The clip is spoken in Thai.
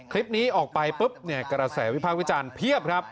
คลิปนี้ออกไปปุ๊บเนี่ยกระแสวิพากษ์วิจารณ์เพียบครับ